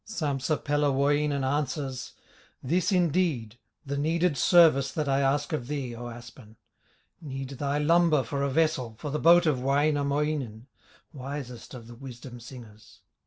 Sampsa Pellerwoinen answers: "This indeed, the needed service That I ask of thee, O aspen: Need thy lumber for a vessel, For the boat of Wainamoinen, Wisest of the wisdom singers."